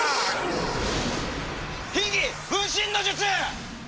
秘技分身の術！